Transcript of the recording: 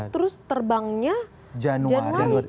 terus terbangnya januari